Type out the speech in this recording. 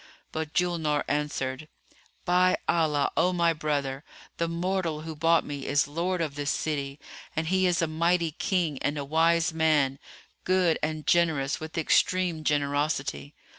But Julnar answered, "By Allah, O my brother, the mortal who bought me is lord of this city and he is a mighty King and a wise man, good and generous with extreme generosity.